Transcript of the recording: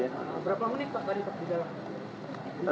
berapa menit pak tadi pak di dalam